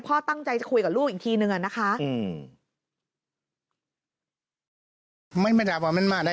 พ่อตั้งใจจะคุยกับลูกอีกทีนึงอะนะคะ